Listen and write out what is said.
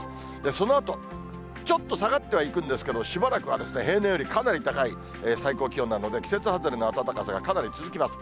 そのあと、ちょっと下がってはいくんですけど、しばらくは平年よりかなり高い最高気温なので、季節外れの暖かさがかなり続きます。